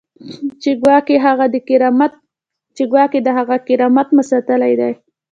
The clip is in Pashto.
چې ګواکې د هغه کرامت مو ساتلی دی.